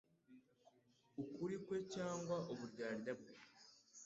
ukuri kwe cyangwa uburyarya bwe»